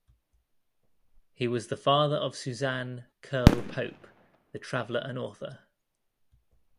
He was the father of Suzanne Kyrle-Pope, the traveller and author.